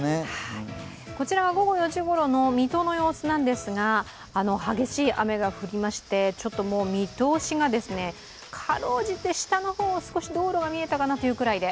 こちらは午後４時ごろの水戸の様子なんですが、激しい雨が降りまして見通しが辛うじて下の方が少し道路が見えたかなというぐらいで。